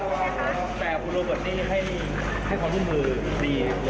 ให้ความยุ่งมือดีเลยใช่ไหมครับ